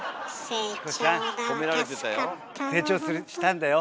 成長するしたんだよ。